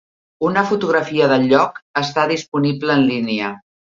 Una fotografia del lloc està disponible en línia.